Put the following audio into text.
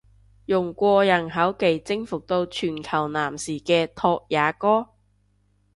用過人口技征服到全球男士嘅拓也哥！？